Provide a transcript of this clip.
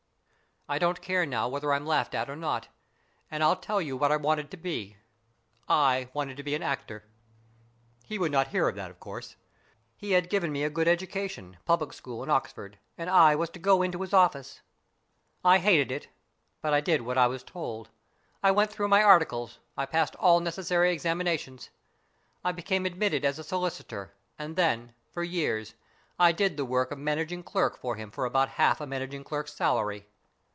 I don't care now whether I'm laughed at or not, and I'll tell you what I wanted to be. I wanted to be an actor. He would not hear of that, of course. He'd given me a good education, public school and Oxford, and I was to go into his office. I hated it, but I did what I was told. I went through my articles, I passed all necessary exam inations. I became admitted as a solicitor, and then, for years, I did the work of managing clerk for him for about half a managing clerk's salary.